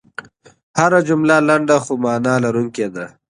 هره جمله لنډه خو مانا لرونکې ده.